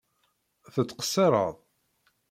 Tettqeṣṣireḍ?